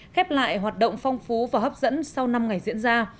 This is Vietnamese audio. khép lại hoạt động phong phú và hấp dẫn sau năm ngày diễn ra